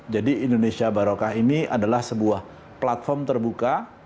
jadi indonesia baroka ini adalah sebuah platform terbuka